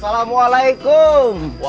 wajahnya madak banget